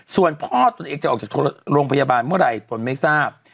ส่วนพ่อตนเองจะออกจากโรงพยาบาลเมื่อไหร่ตนไม่ทราบ